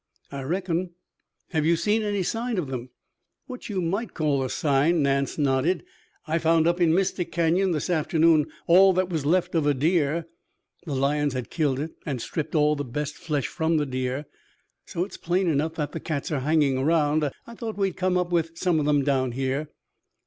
"I reckon." "Have you seen any signs of them?" "What you might call a sign," Nance nodded. "I found, up in Mystic Canyon this afternoon, all that was left of a deer. The lions had killed it and stripped all the best flesh from the deer. So it's plain enough that the cats are hanging around. I thought we'd come up with some of them down here."